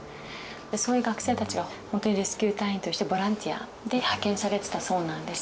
そういう学生たちがほんとにレスキュー隊員としてボランティアで派遣されてたそうなんです。